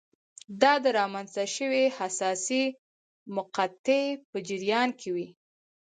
دا د رامنځته شوې حساسې مقطعې په جریان کې وې.